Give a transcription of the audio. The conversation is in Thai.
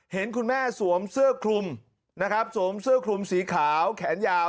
เห็นคุณแม่สวมเสื้อคลุมนะครับสวมเสื้อคลุมสีขาวแขนยาว